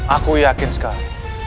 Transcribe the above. aku yakin sekali